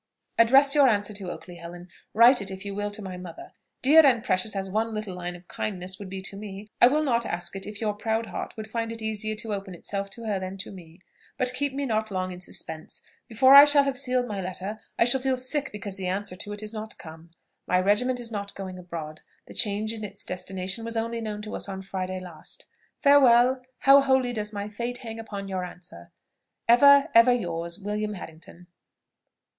"Address your answer to Oakley, Helen: write it, if you will, to my mother. Dear and precious as one little line of kindness would be to me, I will not ask it if your proud heart would find it easier to open itself to her than to me. But keep me not long in suspense; before I shall have sealed my letter, I shall feel sick because the answer to it is not come. My regiment is not going abroad. This change in its destination was only known to us on Friday last. Farewell! How wholly does my fate hang upon your answer! "Ever, ever yours, "WILLIAM HARRINGTON."